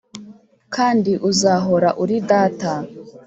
kandi uzahora uri data.